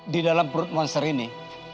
di dalam perut monster ini